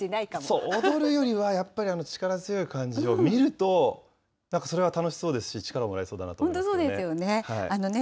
そう、踊るよりはやっぱり、力強い感じを見ると、なんかそれは楽しそうですし、力をもらえそうだなと思いましたね。